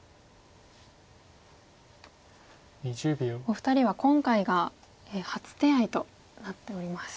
お二人は今回が初手合となっております。